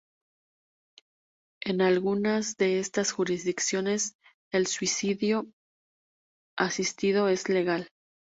En algunas de estas jurisdicciones el suicidio asistido es legal.